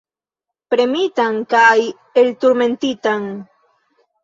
Premitan kaj elturmentitan.